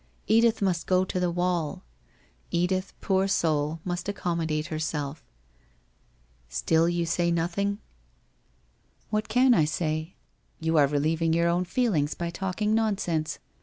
Edith must go to the wall. Edith, poor soul, must ac commodate herself ... Still you say nothing?' 1 What can I say ? You are relieving your own feel ings by talking nonsense.